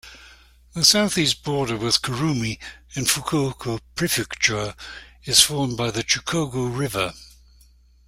The southeast border with Kurume in Fukuoka Prefecture is formed by the Chikugo River.